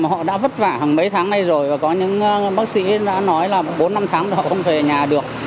họ đã vất vả hàng mấy tháng nay rồi và có những bác sĩ đã nói là bốn năm tháng thì họ không về nhà được